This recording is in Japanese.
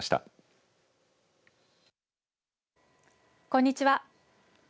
こんにちは。